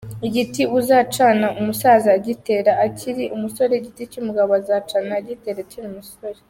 Igiti uzacana umusaza agitera acyiri umusore Igiti umugabo azacana agitera akiri umusore.